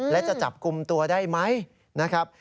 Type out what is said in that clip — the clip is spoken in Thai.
และจะจับกลุ่มตัวได้ไหมนะครับ